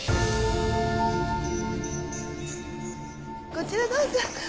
こちらどうぞ。